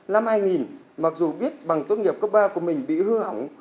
năm hai nghìn mặc dù biết bằng tốt nghiệp cấp ba của mình bị hư hỏng